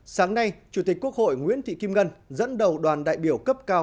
sáng nay chủ tịch quốc hội nguyễn thị kim ngân dẫn đầu đoàn đại biểu cấp cao